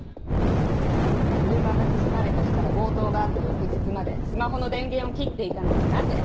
車が盗まれた日から強盗があった翌日までスマホの電源を切っていたのはなぜ？